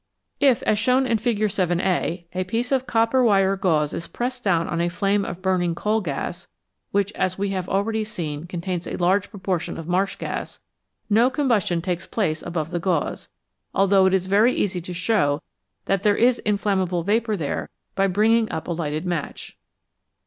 If, as shown in Fig. 7, a, a piece of copper wire gauze is pressed down on a flame of burning coal gas (which, as we have already seen, contains a large proportion of marsh gas), no combustion takes place above the gauze, although it is easy to show that there is inflammable vapour there by bringing up a lighted match.